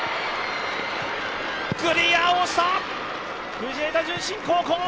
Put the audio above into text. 藤枝順心高校。